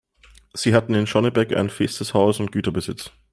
Sie hatten in Schonnebeck ein festes Haus und Güterbesitz.